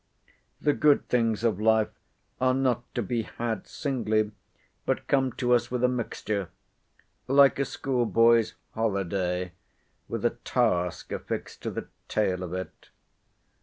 The good things of life are not to be had singly, but come to us with a mixture; like a schoolboy's holiday, with a task affixed to the tail of it.